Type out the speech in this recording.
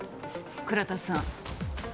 倉田さん